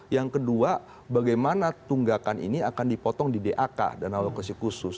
yang kedua bagaimana tunggakan ini akan dipotong di dak dan alokasi khusus